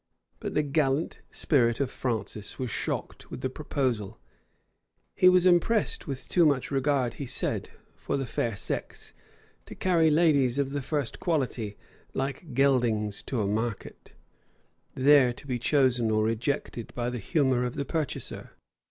But the gallant spirit of Francis was shocked with the proposal: he was impressed with too much regard, he said, for the fair sex, to carry ladies of the first quality like geldings to a market, there to be chosen or rejected by the humor of the purchaser.